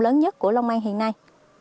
lớn nhất của long an hiện nay